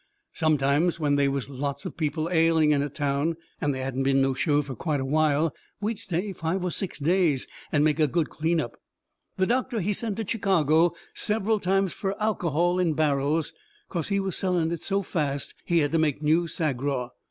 Sometimes, when they was lots of people ailing in a town, and they hadn't been no show fur quite a while, we'd stay five or six days, and make a good clean up. The doctor, he sent to Chicago several times fur alcohol in barrels, 'cause he was selling it so fast he had to make new Sagraw.